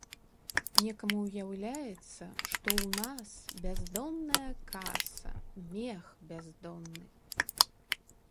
Некаму ўяўляецца, што ў нас бяздонная каса, мех бяздонны.